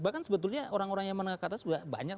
bahkan sebetulnya orang orang yang menengah ke atas sudah banyak